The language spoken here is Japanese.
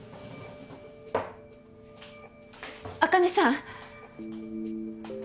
茜さん！